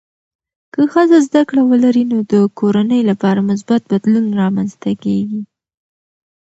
که ښځه زده کړه ولري، نو د کورنۍ لپاره مثبت بدلون رامنځته کېږي.